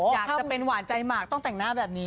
อยากจะเป็นหวานใจหมากต้องแต่งหน้าแบบนี้